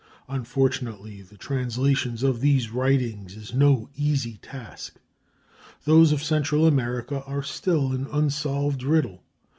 Unfortunately, the translation of these writings is no easy task. Those of Central America are still an unsolved riddle.